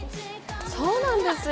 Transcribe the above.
そうなんですよ！